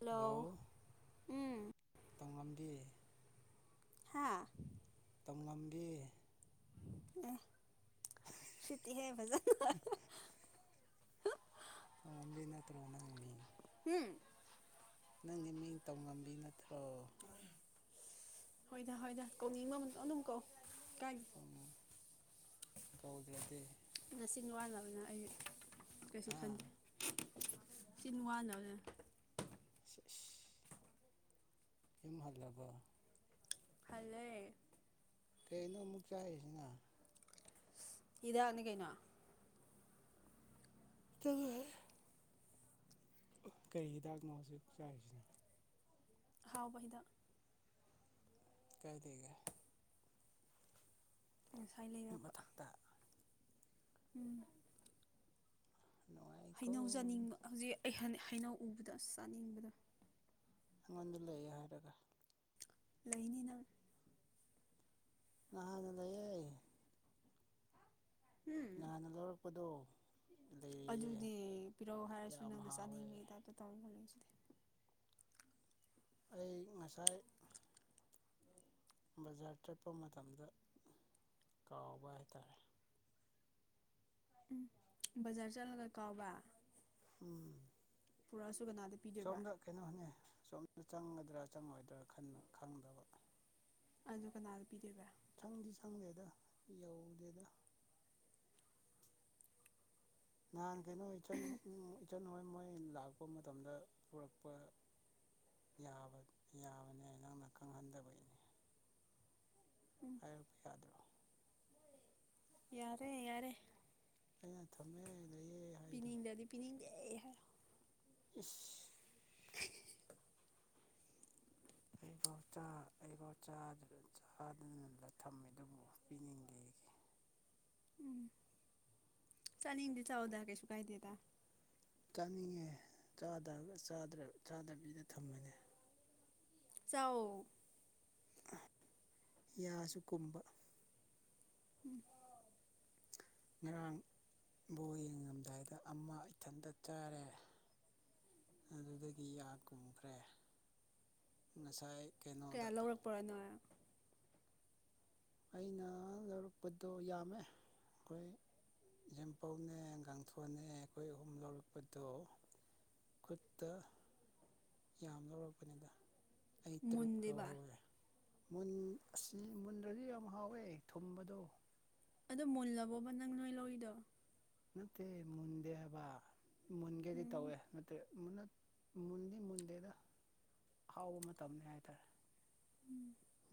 hello ꯎꯝ ꯇꯧꯉꯝꯕꯤ ꯍꯥꯥ ꯇꯝ ꯉꯝꯕꯤ ꯑꯦ ꯎꯁꯤꯠꯇ‌ꯦꯍꯦ ꯐꯖꯅ ꯕꯤ ꯅꯠꯇ꯭ꯔꯣ ꯅꯪ ꯃꯤ ꯎꯝ ꯅꯪꯒꯤ ꯃꯤꯡ ꯇꯧꯉꯝꯕꯤ ꯅꯠꯇ꯭ꯔꯣ ꯍꯣꯏꯗ ꯍꯣꯏꯗ ꯀꯧꯅꯤꯡꯕ ꯑꯃꯗꯣ ꯑꯗꯨꯝ ꯀꯧꯥꯏ ꯀꯥꯏꯗ‌ꯦ ꯎꯝ ꯀꯧꯗ꯭ꯔꯗꯤ [unintelligible] ꯑꯩ ꯀꯩꯁꯨ ꯑꯥ ꯈꯟꯗꯦ ꯁꯤ ꯋꯥꯅꯅꯦ [inaudible] ꯌꯍꯜꯂꯕꯣ ꯐꯂꯦ ꯀꯩꯅꯣ ꯑꯃꯨꯛ ꯆꯥꯏꯔꯤꯁꯤꯅ ꯏꯗꯦ ꯑꯅꯤꯡꯀꯩꯅ ꯑꯗꯨꯒ ꯀꯔꯤ ꯍꯤꯗꯥꯛꯅꯣ ꯍꯧꯖꯤꯛ ꯆꯥꯔꯤꯁꯤꯅꯣ ꯍꯥꯎꯕ ꯍꯤꯗꯥꯛ ꯀꯩ ꯊꯒꯦ ꯉꯁꯥꯏ ꯂꯩꯔꯛꯄ ꯃꯊꯛꯇ ꯎꯝ ꯅꯨꯡꯉꯥꯏꯀꯣ ꯍꯩꯅꯧ ꯆꯥꯅꯤꯡꯕ ꯍꯧꯖꯤꯛ ꯑꯩ ꯍꯩꯅꯧ ꯎꯕꯗ ꯆꯥꯅꯤꯡꯕꯗ ꯑꯩꯉꯣꯟꯗ ꯂꯩꯌꯦ ꯍꯥꯏꯔꯒ ꯂꯩꯅꯤꯅ ꯑꯍꯥꯅ ꯂꯩꯌꯦ ꯎꯝ ꯅꯍꯥꯟꯅ ꯂꯧꯔꯛꯄꯗꯣ ꯂꯩꯔꯤꯌꯦ ꯑꯗꯨꯗꯤ ꯄꯤꯔꯛ ꯍꯥꯏꯔꯁꯨ ꯌꯥꯝ ꯅꯪ ꯍꯥꯎꯋꯦ ꯃꯆꯥꯅꯤꯡꯕꯒꯤ ꯇꯥꯏꯞꯇ ꯇꯧꯋ ꯈꯣꯂꯛꯁꯤꯗꯤ ꯑꯩ ꯉꯁꯥꯏ ꯕꯖꯥꯔ ꯆꯠꯄ ꯃꯇꯝꯗ ꯀꯥꯎꯕ ꯍꯥꯏꯇꯥꯔꯦ ꯎꯝ ꯕꯖꯥ ꯆꯂꯒ ꯀꯥꯎꯕ ꯎꯝ ꯄꯨꯔꯥꯁꯨꯨꯒꯅꯥꯗ ꯁꯣꯝꯗ ꯀꯩꯅꯣꯅꯤ ꯁꯣꯝꯗ ꯆꯪꯒꯗ꯭ꯔꯥ ꯆꯪꯉꯣꯏꯗ꯭ꯔꯥ ꯈ ꯈꯪꯗꯕ ꯑꯗꯨ ꯀꯅꯥꯗ ꯄꯤꯗꯕ ꯁꯪꯗꯤ ꯁꯪꯗꯦꯗ ꯌꯧꯗꯦꯗ ꯅꯍꯥꯟ ꯀꯩꯅꯣ ꯏꯆꯟ ꯏꯆꯟꯣꯏ ꯃꯣꯏ ꯂꯥꯛꯄ ꯃꯇꯝꯗ ꯄꯨꯔꯛꯄ ꯌꯥꯕꯅꯦ ꯅꯪꯅ ꯈꯪꯍꯟꯗꯕꯒꯤꯅꯦ ꯍꯥꯏꯔꯛꯄ ꯌꯥꯗ꯭ꯔꯣ ꯌꯥꯔꯦ ꯌꯥꯔꯦ ꯑꯩꯅ ꯊꯨꯝꯃꯦ ꯂꯩꯌꯦ ꯄꯤ ꯍꯥꯏꯗꯣ ꯏꯌꯥꯗꯤ ꯄ ꯑꯩꯍ [unintelligible] ꯑꯩꯐꯥꯎ ꯑꯩꯐꯥꯎ ꯆꯥꯗꯅ ꯊꯝꯃꯦ ꯑꯗꯨꯕꯨ ꯄꯤꯅꯤꯡꯗꯦꯒꯤ ꯎꯝ ꯆꯅꯤꯡꯗꯤ ꯆꯗ ꯀꯩꯁꯨ ꯀꯥꯏꯗꯦ ꯇ ꯆꯥꯅꯤꯡꯉꯦ ꯆꯥꯗꯕꯤꯗ ꯊꯝꯕꯅꯦ ꯆꯥꯎ ꯌꯥꯁꯨ ꯀꯨꯝꯕ ꯎꯝ ꯉꯔꯥꯡꯕꯨ ꯌꯦꯡꯉꯝꯗꯥꯏꯗ ꯑꯃ ꯏꯊꯟꯇ ꯆꯥꯔꯦ ꯑꯗꯨꯗꯒꯤ ꯑ ꯀꯨꯝꯈ꯭ꯔꯦ ꯉꯁꯥꯏ ꯀꯌꯥ ꯀꯩꯅꯣꯗ ꯂꯧꯔꯛꯄ꯭ꯔꯅꯣ ꯑꯩꯅ ꯂꯧꯔꯛꯄꯗꯣ ꯌꯥꯝꯃꯦ ꯑꯩꯈꯣꯏ ꯌꯦꯦꯝꯄꯧꯅꯦ ꯀꯥꯡꯒꯥꯡꯊꯣꯟꯅꯦ ꯑꯩꯈꯣꯏ ꯑꯍꯨꯝ ꯂꯧꯔꯛꯄꯗꯣ ꯀꯠꯇꯥ ꯌꯥꯝ ꯂꯧꯔꯛꯄꯅꯤꯗ ꯑꯩ ꯇꯔꯨꯛ ꯃꯨꯟꯗꯦꯕ ꯂꯧꯍꯧꯋꯦ ꯃꯨꯟ ꯑꯁꯤ ꯃꯨꯟꯗ꯭ꯔꯗꯤ ꯌꯥꯝ ꯍꯥꯎꯋꯦ ꯊꯨꯝꯕꯗꯣ ꯑꯗꯣ ꯃꯨꯜꯂꯕꯣꯕ ꯅꯪ ꯅꯣꯏ ꯂꯧꯔꯤꯗꯣ ꯅꯠꯇꯦ ꯃꯟꯗꯤꯌꯥꯕ ꯃꯨꯟꯒꯦꯗꯤ ꯎꯝ ꯇꯧꯋꯦ ꯅꯠꯇ꯭ꯔꯦ ꯃꯨꯟꯅ ꯃꯨꯟꯗꯤ ꯃꯨꯟꯗꯦꯗ ꯍꯥꯎꯕ ꯃꯇꯝꯅꯤ ꯍꯥꯏꯇꯥꯔꯦ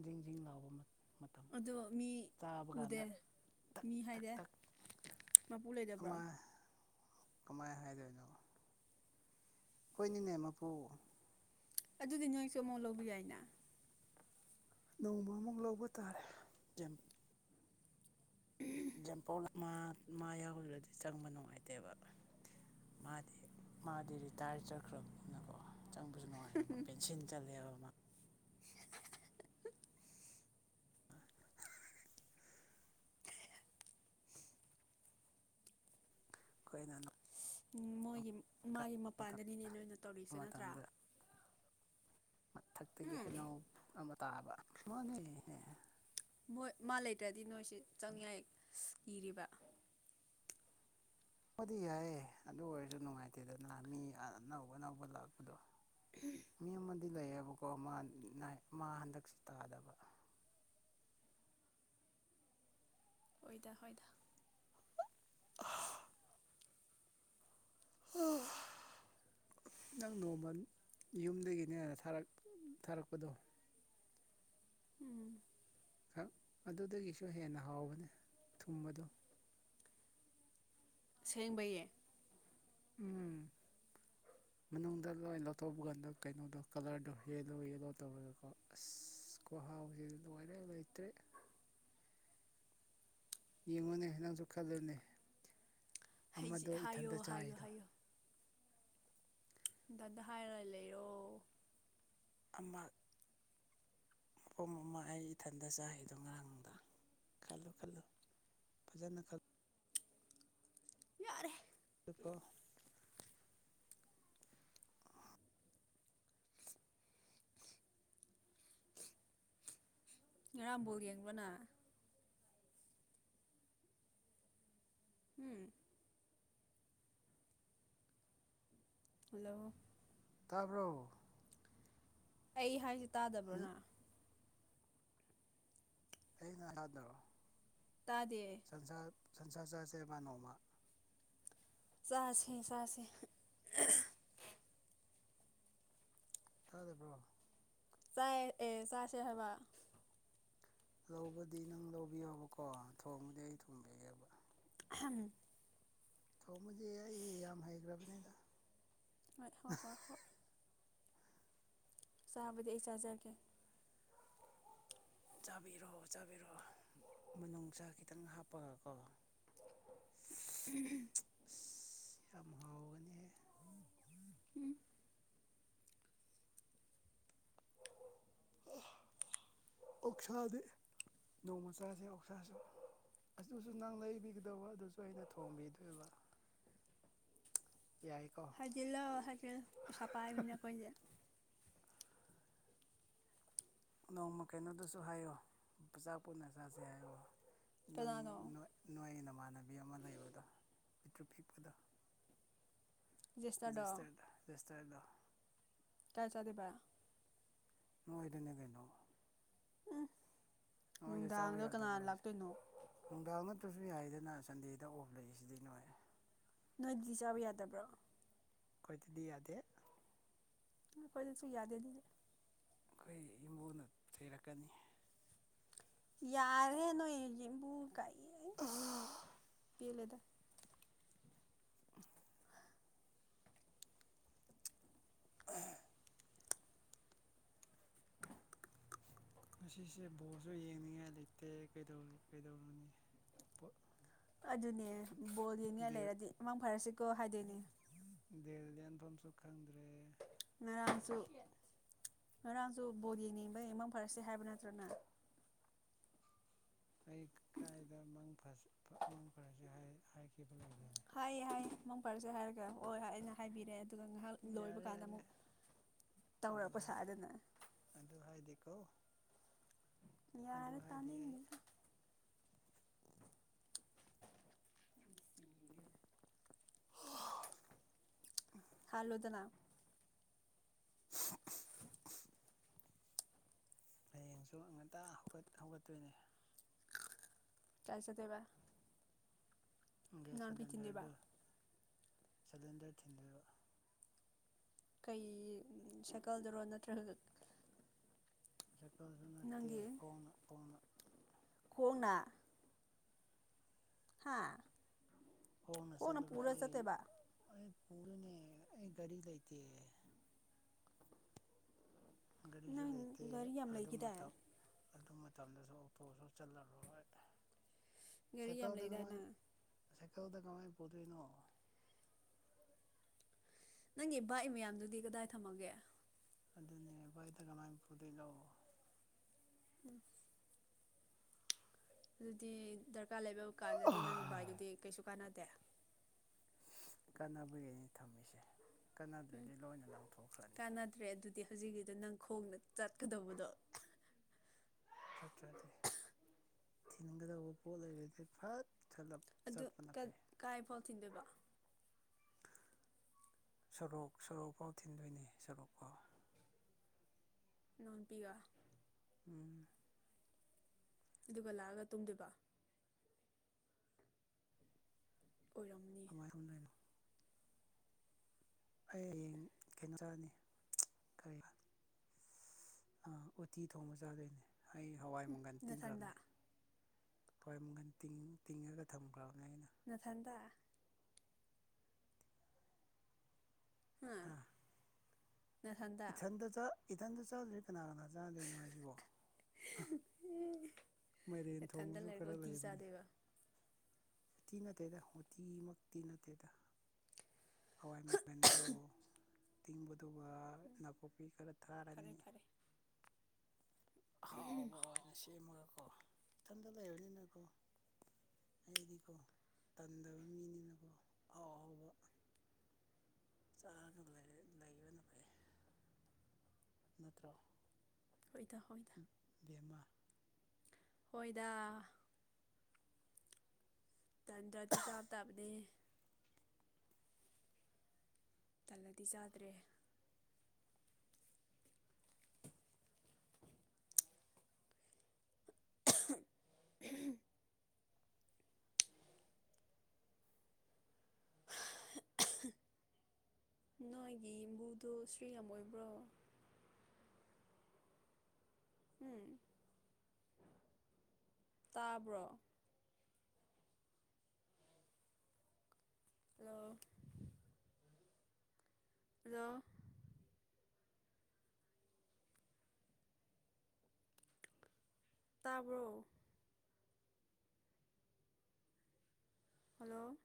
ꯤꯡꯁꯤꯡ ꯂꯥꯎꯕ ꯑꯗꯣ ꯃꯤ ꯆꯥꯕ ꯎꯗꯦ ꯀꯥꯟꯗ ꯇꯛ ꯃꯤ ꯇꯛ ꯍꯥꯏꯔꯦ ꯇꯛ ꯃꯄꯨ ꯂꯩꯗ ꯀꯃꯥꯏ ꯀꯃꯥꯏꯅ ꯍꯥꯏꯗꯣꯏꯔꯤꯅꯣ ꯑꯩꯈꯣꯏꯅꯤꯅꯦ ꯃꯄꯨ ꯑꯗꯨꯗꯤ ꯅꯣꯏꯁꯨ ꯑꯃꯨꯛ ꯂꯧꯕ ꯌꯥꯏꯅ ꯅꯣꯡꯃ ꯑꯃꯨꯛ ꯂꯧꯕ ꯇꯥꯔꯦ ꯝꯄ ꯃꯥ ꯌꯥꯎꯗ꯭ꯔꯗꯤ ꯆꯪꯕ ꯅꯨꯡꯉꯥꯏꯇꯦꯕ ꯃꯥꯗꯤ ꯃꯥꯗꯤ ꯔꯤꯇꯥꯌꯔ ꯆꯠꯈ꯭ꯔꯕꯅꯤꯅꯀꯣ ꯆꯪꯕꯁꯨ ꯅꯨꯡꯉꯥꯏꯌꯦꯕ ꯄꯦꯟꯁꯤꯟ ꯆꯠꯂꯦꯕ ꯃꯥ ꯀꯈꯣꯏꯅꯣ ꯎ ꯃꯣꯏꯒꯤ ꯃꯥꯒꯤ ꯃꯄꯥꯟꯗꯅꯤꯅꯦ ꯅ ꯑꯣꯏꯅ ꯇꯧꯔꯤꯁꯦ ꯅꯠꯇ꯭ꯔꯥ ꯃꯇꯝꯗ ꯃꯊꯛꯇꯒꯤ ꯍꯩꯅꯎ ꯑꯃ ꯇꯥꯕ ꯃꯥꯅꯦꯍ ꯃꯣꯏ ꯃꯥ ꯂꯩꯇ꯭ꯔꯗꯤ ꯅꯣꯏꯁꯤ ꯆꯪꯉꯏ ꯏꯔꯤꯕ ꯑꯣꯗꯤ ꯌꯥꯏꯌꯦꯦ ꯑꯗꯨ ꯑꯣꯏꯔꯁꯨ ꯅꯨꯡꯉꯥꯏꯇꯦꯗꯅ ꯃꯤ ꯑꯅꯧ ꯑꯅꯧꯕ ꯂꯥꯛꯄꯗꯣ ꯃꯤ ꯑꯃꯗꯤ ꯂꯩꯌꯦꯕꯀꯣ ꯃꯥ ꯍꯟꯗꯛꯁꯤ ꯇꯥꯗꯕ ꯑꯣꯏꯗ ꯍꯣꯏꯗ ꯑꯣ ꯅꯪ ꯅꯣꯡꯃ ꯌꯨꯝꯗꯒꯤꯅꯦꯅ ꯊꯥꯔꯛꯄꯗꯣ ꯎꯝ ꯈꯛ ꯑꯗꯨꯗꯒꯤꯁꯨ ꯍꯦꯟꯅ ꯍꯥꯎꯕꯅꯤ ꯊꯨꯝꯕꯗꯣ ꯁꯦꯡꯕꯌꯦ ꯎꯝ ꯃꯅꯨꯡꯗ ꯂꯣꯏ ꯂꯧꯊꯣꯛꯧꯕ ꯀꯥꯟꯗ ꯀꯩꯅꯣꯗꯣ ꯀꯂꯔꯗꯣ ꯌꯦꯂꯣ ꯌꯦꯂꯣ ꯇꯧꯔꯒꯀꯣ ꯑꯁ ꯀꯨꯍꯥꯎꯁꯤꯗ ꯂꯔ ꯂꯩꯇ꯭ꯔꯦ ꯌꯦꯡꯉꯨꯅꯦ ꯅꯪꯁꯨ ꯈꯜꯂꯨꯅꯦ ꯑꯃꯗꯣ ꯍꯥꯏꯌꯣ ꯏꯊꯟꯇ ꯍꯥꯏꯌꯣ ꯆꯥꯏꯔꯤꯗꯣ ꯍꯥꯏꯌꯣ ꯟ ꯗꯗ ꯍꯥꯏꯔꯒ ꯂꯩꯔꯣ ꯑꯃ ꯄ ꯄꯣꯝ ꯑꯃ ꯑꯩ ꯏꯊꯟꯇ ꯆꯥꯏꯈꯤꯗꯣ ꯉꯔꯥꯡꯗ ꯈꯜꯂꯨ ꯈꯜꯂꯨ ꯐꯖꯅ ꯈꯜꯂ ꯌꯥꯔꯦ ꯆꯀꯣ ꯉ ꯄꯒꯦꯅ ꯎꯝ ꯍꯜꯂꯣ ꯇꯥꯔꯕ꯭ꯔꯣ ꯑꯩ ꯍꯥꯏꯁꯤ ꯃꯤ ꯇꯥꯗꯕ꯭ꯔꯣꯅ ꯑꯩꯅ ꯌꯥꯥꯗꯔꯣ ꯇꯥꯗꯦ ꯁꯁ ꯁꯪꯁꯥ ꯆꯥꯁꯦꯕ ꯅꯣꯡꯃ ꯆꯁꯤꯦ ꯆꯁꯤꯦ ꯇ ꯑꯗꯨꯕꯣ ꯆ ꯑꯦ ꯑꯦ ꯆ ꯁꯍꯕ ꯂꯧꯕꯗꯤ ꯅꯪ ꯂꯧꯕꯤꯌꯣꯕꯀꯣ ꯊꯣꯡꯕꯗꯤ ꯑꯩ ꯊꯣꯡꯕꯤꯒꯦꯕ ꯍꯝ ꯊꯣꯡꯃꯁꯦ ꯑꯩ ꯌꯥꯝ ꯍꯩꯈ꯭ꯔꯕꯅꯤꯗ ꯑ ꯍꯔ ꯍꯔ ꯍ ꯆꯥꯕꯗꯤ ꯑꯩ ꯆꯥꯖꯒꯦ ꯆꯥꯕꯤꯔꯛꯣ ꯆꯥꯕꯤꯔꯣꯑꯣ ꯃꯅꯨꯡ ꯆꯥ ꯈꯤꯇꯪ ꯍꯥꯞꯄꯒꯀꯣ [unintelligible] [inaudible] ꯎ ꯌꯥꯝ ꯍꯥꯎꯒꯅꯤꯍꯦ ꯑꯣꯛꯁꯥꯗꯤ ꯅꯣꯡꯃ ꯆꯥꯁꯦ ꯑꯣꯛꯁꯥꯁꯦ ꯑꯗꯨꯁꯨ ꯅꯪ ꯂꯩꯕꯤꯒꯗꯧꯕ ꯑꯗꯨꯁꯨ ꯑꯩꯅ ꯊꯣꯡꯕꯤꯗꯣꯏꯕ ꯌꯥꯏꯀꯣ ꯍꯥꯢꯖꯤꯟꯂꯣ ꯍꯥꯢꯖꯤꯟꯂꯣ ꯑꯩꯈꯣꯢꯗꯤ ꯄꯩꯁꯥ ꯄꯥꯢꯕꯅꯤꯅ ꯅꯣꯡꯃ ꯀꯩꯅꯣꯗꯨꯁꯨ ꯍꯥꯏꯌꯣ ꯑꯆꯥꯄꯣꯠ ꯑꯣꯢꯅ ꯆꯥꯁꯦ ꯍꯥꯏꯌꯣ ꯅꯪ ꯀꯅꯥꯅꯣ ꯅꯣꯏ ꯅꯣꯏ ꯅꯃꯥꯟꯅꯕꯤ ꯑꯃ ꯂꯩꯕꯗꯣ ꯄꯤꯇꯨ ꯄꯤꯛꯄꯗꯣ ꯖꯦꯁꯇꯔꯗꯣ ꯁꯇꯔꯗꯁꯇꯗ [inaudible] ꯀꯥꯏ ꯆꯥꯗꯣꯢꯕꯥ ꯅꯣꯢꯗꯅꯤ ꯀꯩꯅꯣ ꯅꯣꯏꯗ ꯆꯥꯕ ꯅꯨꯡꯗꯥꯡꯗꯣ ꯌꯥꯗꯕ꯭ꯔꯣ ꯀꯅꯥꯅ ꯍꯥꯏꯁꯦ ꯂꯥꯛꯇꯣꯏꯅꯣ ꯅꯨꯡꯗꯥꯡ ꯅꯠꯇ꯭ꯔꯁꯨ ꯌꯥꯏꯗꯅ ꯁꯟꯗꯦꯗ ꯑꯣꯐ ꯂꯩꯔꯤꯁꯤꯗꯤ ꯅꯣꯢ ꯅꯣꯏꯗꯗꯤ ꯆꯥꯕ ꯌꯥꯗꯕ꯭ꯔꯣ ꯑꯩꯈꯣꯏꯗꯗꯤ ꯌꯥꯗꯦ ꯑꯩꯈꯣꯏꯗꯁꯨ ꯌꯥꯗꯦ ꯑꯗꯨꯗꯤ ꯑꯩꯈꯣꯏ ꯏꯃꯨꯡꯅ ꯆꯩꯔꯛꯀꯅꯤ ꯌꯥꯔꯦ ꯅꯣꯏ ꯢꯃꯨꯡ ꯀꯩ ꯄꯦꯜꯂꯦꯗ ꯑ [inaudible] ꯉꯁꯤꯁꯦ ꯕꯣꯜꯁꯨ ꯌꯦꯡꯅꯤꯡꯉꯥꯏ ꯂꯩꯇꯦ ꯀꯩꯗꯧꯔꯥ ꯀꯩꯗꯧꯔꯨꯅꯤ ꯄꯣꯠ ꯑꯗꯨꯅꯦ ꯕꯣꯜ ꯌꯦꯡꯅꯤꯡꯉꯥꯏ ꯂꯩꯔꯗꯤ ꯃꯥꯡ ꯐꯔꯁꯤꯀꯣ ꯍꯥꯏꯗꯣꯏꯅꯦ ꯗꯤꯟ ꯂꯦꯟꯐꯝꯁꯨ ꯈꯪꯗ꯭ꯔꯦ ꯉꯔꯥꯡꯁꯨ ꯉꯔꯥꯡꯁꯨ ꯕꯣꯜ ꯌꯦꯡꯅꯤꯡꯕꯩ ꯃꯥꯡ ꯐꯔꯁꯦ ꯍꯥꯏꯕ ꯅꯠꯇ꯭ꯔꯣ ꯅꯪ ꯑꯩ ꯀꯥꯏꯗ ꯃꯪ ꯐꯔꯁꯤ ꯍꯥꯏꯈꯤꯕ ꯂꯩꯕ꯭ꯔꯅꯤ [inaudible] ꯍꯥꯏꯌꯦ ꯍꯥꯏꯌꯦ ꯃꯪ ꯐꯔꯁꯦ ꯍꯥꯏꯔꯒ ꯍꯣꯏ ꯑꯩꯅ ꯍꯥꯏꯕꯤꯔꯦ ꯑꯗꯨ ꯑꯗꯨꯒ ꯉꯥꯏꯍꯥꯛ ꯂꯣꯏꯕ ꯌꯥꯔꯦ ꯀꯥꯟꯗ ꯌꯥꯔꯦ ꯑꯃꯨꯛ ꯑꯗꯨ ꯍꯥꯏꯗꯦ ꯇꯧꯔꯛꯄꯁꯗꯅ ꯑꯗꯨ ꯍꯥꯏꯗꯤꯀꯣ ꯌꯥꯔꯦ ꯇꯥꯅꯤꯡꯗꯦ ꯑꯣ [inaudible] ꯍꯥꯜꯂꯣꯗꯅ [inaudible] ꯍꯌꯦꯡꯁꯨ ꯉꯥꯜꯇ ꯍꯧꯒꯠ ꯍꯧꯒꯠꯇꯣꯏꯅꯦ ꯀꯥꯢ ꯆꯠꯇꯣꯢꯕ ꯒ꯭ꯌꯥꯁ ꯊꯤꯟꯗꯣꯏꯕ ꯁꯤꯂꯤꯟꯗꯔꯗꯨ ꯁꯤꯂꯤꯟꯗꯔ ꯊꯤꯟꯕꯤꯕ ꯀꯩ ꯁꯥꯏꯀꯜꯗꯔꯣ ꯅꯠꯇ꯭ꯔꯒ ꯑꯗꯨꯁꯨ ꯅꯠꯇꯦ ꯅꯪꯒꯤ ꯈꯣꯡꯅ ꯈꯣꯡꯅ ꯈꯣꯡꯅ ꯍꯥꯥ ꯍꯧꯅ ꯀꯣꯛꯅ ꯆꯠꯂꯒ ꯄꯨꯔ ꯑꯩ ꯆꯠꯇꯣꯢꯕ ꯑꯩ ꯄꯨꯔꯅꯤ ꯑꯩ ꯒꯔꯤ ꯂꯩꯇꯦ ꯒꯥꯔꯤꯁꯨ ꯅꯪ ꯂꯩꯇꯦ ꯒꯥꯔꯤ ꯌꯥꯝ ꯑꯗꯨ ꯂꯩꯈꯤꯗꯥꯏ ꯃꯇꯝ ꯑꯗꯨ ꯃꯇꯝꯗꯁꯨ ꯑꯣꯇꯣꯁꯨ ꯆꯜꯂꯔꯣꯏ ꯒꯥꯔꯤ ꯌꯥꯝ ꯁꯥꯏꯀꯜꯗ ꯂꯩꯗꯥꯏ ꯀꯃꯥꯏ ꯅꯪ ꯁꯀꯦꯜꯗ ꯀꯃꯥꯏ ꯄꯨꯗꯣꯏꯅꯣ ꯅꯪꯒꯤ ꯕꯥꯏ ꯃꯌꯥꯝꯗꯨꯗꯤ ꯀꯗꯥꯏ ꯊꯝꯃꯒꯦ ꯑꯗꯨꯅꯦ ꯚꯥꯏꯗ ꯀꯃꯥꯏ ꯄꯨꯨꯗꯣꯏꯅꯣ ꯎꯝ ꯑꯗꯨꯗꯤ ꯗꯔꯀꯥꯔ ꯂꯩꯕ ꯀꯥꯟꯗꯗꯤ ꯅꯪꯒꯤ ꯕꯥꯏꯗꯨꯨꯗꯤ ꯀꯩꯁꯨ ꯀꯥꯟꯅꯗꯦ ꯀꯥꯟꯅꯕꯒꯤꯅꯤ ꯊꯝꯃꯤꯁꯦ ꯀꯥꯟꯅꯗ꯭ꯔꯗꯤ ꯂꯣꯏꯅ ꯂꯪꯊꯣꯛꯈ꯭ꯔꯅꯤ ꯅꯠꯇ꯭ꯔꯦ ꯑꯗꯨ ꯍꯧꯖꯤꯛꯀꯤꯗ ꯅꯪ ꯈꯣꯡꯅ ꯆꯠꯀꯗꯧꯕꯗꯣ ꯆꯠꯇꯔꯗꯤ ꯊꯤꯟꯒꯗꯧꯕ ꯄꯣꯠ ꯂꯩꯕꯗꯤ ꯐꯠ ꯆꯠꯂꯞ ꯑꯗꯨ ꯆꯠꯄꯅ ꯐꯩ ꯀꯥꯏꯐꯥꯎ ꯊꯤꯟꯗꯣꯏꯕ ꯁꯣꯔꯣꯛ ꯁꯣꯔꯣꯛꯐꯥꯎ ꯊꯤꯟꯗꯣꯏꯅꯦ ꯁꯣꯔꯣꯛꯐꯥꯎ ꯂꯣꯟꯄꯤꯕ ꯎꯝ ꯑꯗꯨꯒ ꯂꯥꯛꯑꯒ ꯇꯨꯝꯗꯣꯏꯕ ꯑꯣꯏꯔꯝꯃꯤ [unintelligible] ꯑꯩ ꯍꯌꯦꯡ ꯀꯩꯅꯣ ꯆꯅꯤ ꯀꯔꯤ ꯎꯇꯤ ꯊꯣꯡꯕ ꯆꯥꯗꯣꯏꯅꯦ ꯑꯩ ꯍꯋꯥꯏ ꯃꯪꯒꯟ ꯅꯊꯟꯗ ꯇꯤꯡꯈ꯭ꯔꯕꯅꯦ ꯍꯣꯏ ꯃꯪꯒꯟ ꯇꯤꯡꯉꯒ ꯊꯝꯈ꯭ꯔꯕꯅꯦ ꯑꯩꯅ ꯅꯊꯟꯗ ꯍꯥ ꯅꯊꯟꯗ ꯏꯊꯟꯗ ꯏꯊꯟꯇ ꯆꯥꯗ꯭ꯔꯗꯤ ꯀꯅꯥ ꯀꯅꯥ ꯆꯥꯗꯣꯏꯅꯣ ꯍꯥꯏꯁꯤꯕꯣ ꯃꯥꯏꯔꯦꯟ ꯅꯊꯟꯗ ꯊꯣꯡꯕꯁꯨ ꯂꯩꯔꯒ ꯈꯔ ꯎꯇꯤ ꯂꯩꯕꯅꯤ ꯆꯥꯗꯣꯏꯕ ꯎꯇꯤ ꯅꯠꯇꯦꯗ ꯎꯇꯤꯃꯛꯇꯤ ꯅꯠꯇꯦꯗ ꯍꯋꯥꯏ ꯃꯪꯒꯟꯗꯣ ꯑꯇꯤꯡꯕꯗꯨꯒꯅꯥꯀꯨꯞꯄꯤ ꯈꯔ ꯐꯔꯦ ꯇꯔꯅꯤ ꯐꯔꯦ ꯍꯥꯎꯕ ꯑꯣꯏꯅ ꯁꯦꯝꯃꯒꯀꯣ ꯏꯊꯟꯇ ꯂꯩꯕꯅꯤꯅꯀꯣ ꯑꯩꯗꯤꯀꯣ ꯇꯟꯗꯕ ꯃꯤꯅꯤꯅꯀꯣ ꯑꯍꯥꯎꯕ ꯆꯥꯔꯒ ꯂꯩ ꯂꯩꯕꯅ ꯐꯩ ꯅꯠꯇ꯭ꯔꯣ ꯍꯣꯏꯗ ꯍꯣꯏꯗ ꯕꯦꯝꯃ ꯍꯣꯏꯗ ꯍꯣꯢꯗ ꯇꯟꯗ꯭ꯔꯗꯤ ꯆꯥꯕ ꯇꯕꯅꯤ ꯇꯜꯂꯗꯤ ꯆꯥꯗ꯭ꯔꯦ [unintelligible] ꯅꯣꯏꯒꯤ ꯌꯨꯝꯕꯨꯗꯣ ꯁꯇ꯭ꯔꯤꯛ ꯌꯥꯝ ꯑꯣꯏꯕ꯭ꯔꯣ ꯍꯝ ꯇꯥꯕ꯭ꯔꯣ ꯍꯜꯂꯣ ꯍꯜꯂꯣ ꯇꯥꯕ꯭ꯔꯣ ꯍꯜꯂꯣ